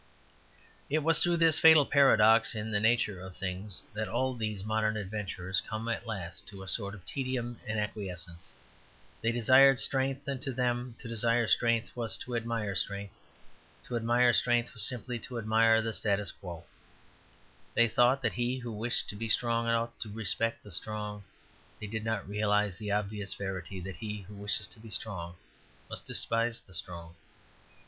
It was through this fatal paradox in the nature of things that all these modern adventurers come at last to a sort of tedium and acquiescence. They desired strength; and to them to desire strength was to admire strength; to admire strength was simply to admire the statu quo. They thought that he who wished to be strong ought to respect the strong. They did not realize the obvious verity that he who wishes to be strong must despise the strong.